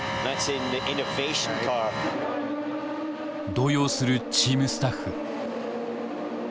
動揺するチームスタッフ。